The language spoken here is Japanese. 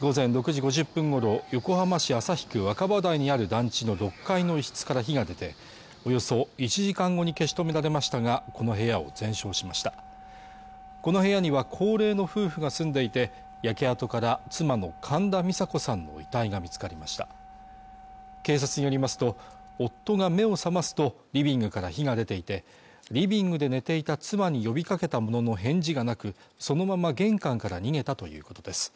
午前６時５０分ごろ横浜市旭区若葉台にある団地の６階の一室から火が出ておよそ１時間後に消し止められましたがこの部屋を全焼しましたこの部屋には高齢の夫婦が住んでいて焼け跡から妻の神田美佐子さんの遺体が見つかりました警察によりますと夫が目を覚ますとリビングから火が出ていてリビングで寝ていた妻に呼びかけたものの返事がなくそのまま玄関から逃げたということです